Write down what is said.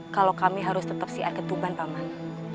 kalau kami harus tetap siat ketuban paman